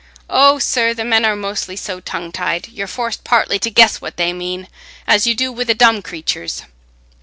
"Oh, sir, the men are mostly so tongue tied—you're forced partly to guess what they mean, as you do wi' the dumb creaturs."